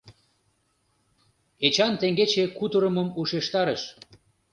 Эчан теҥгече кутырымым ушештарыш.